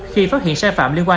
khi phát hiện sai phạm liên quan